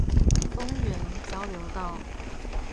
豐原交流道